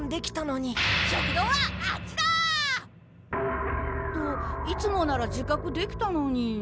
食堂はあっちだ！といつもなら自覚できたのに。